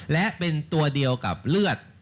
และเป็นตัวเดียวกับเลือด